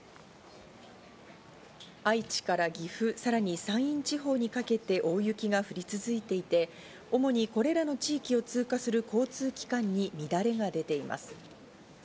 愛知から岐阜、さらに山陰地方にかけて大雪が降り続いていて、主にこれらの地域を通過する交通機関に乱れが出ています。